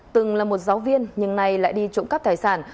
từng là một giáo viên nhưng nay lại đi trộm cắp tài sản